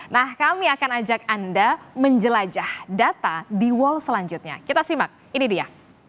nah kami akan ajak anda menjelajah data di wall selanjutnya kita simak ini dia